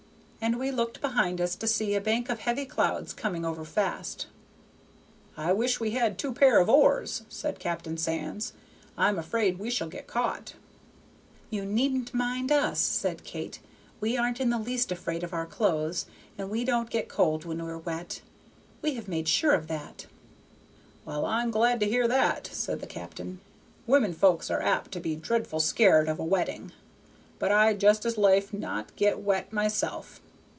And we looked behind us to see a bank of heavy clouds coming over fast. "I wish we had two pair of oars," said Captain Sands. "I'm afraid we shall get caught." "You needn't mind us," said Kate. "We aren't in the least afraid of our clothes, and we don't get cold when we're wet; we have made sure of that." "Well, I'm glad to hear that," said the cap'n. "Women folks are apt to be dreadful scared of a wetting; but I'd just as lief not get wet myself.